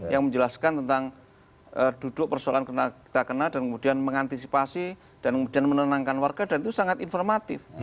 yang menjelaskan tentang duduk persoalan kita kena dan kemudian mengantisipasi dan kemudian menenangkan warga dan itu sangat informatif